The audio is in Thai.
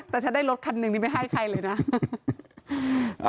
แต่ถ้าได้รถคันหนึ่งนี่ไม่ให้ใครเลยนะ